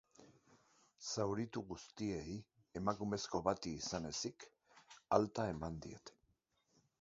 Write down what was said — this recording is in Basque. Zauritu guztiei, emakumezko bati izan ezik, alta eman diete.